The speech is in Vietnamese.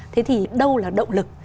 thế thì đâu là động lực